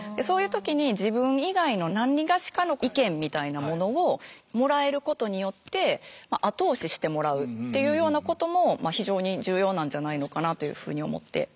そういう時に自分以外のなにがしかの意見みたいなものをもらえることによって後押ししてもらうっていうようなことも非常に重要なんじゃないのかなというふうに思って。